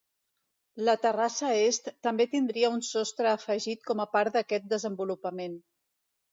La terrassa est també tindria un sostre afegit com a part d'aquest desenvolupament.